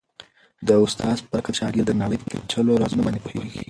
د استاد په برکت شاګرد د نړۍ په پېچلو رازونو باندې پوهېږي.